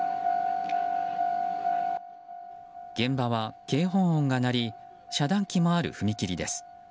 現場は警報音が鳴り遮断機もある踏切です。